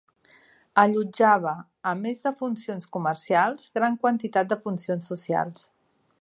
Allotjava, a més de funcions comercials, gran quantitat de funcions socials.